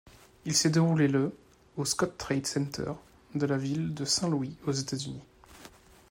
Il s'est déroulé le au Scottrade Center de la ville de Saint-Louis, aux États-Unis.